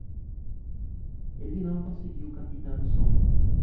Ele não conseguiu captar o som.